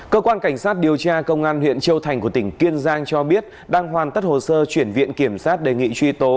cơ quan cảnh sát điều tra công an huyện châu thành của tỉnh kiên giang cho biết đang hoàn tất hồ sơ chuyển viện kiểm sát đề nghị truy tố